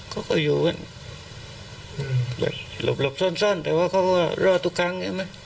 เขาก็อยู่กันแบบหลบซ่อนแต่ว่าเขาก็รอดทุกครั้งใช่ไหม